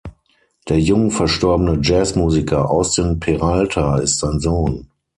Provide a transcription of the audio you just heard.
Der jung verstorbene Jazzmusiker Austin Peralta ist sein Sohn.